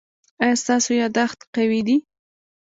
ایا ستاسو یادښت قوي دی؟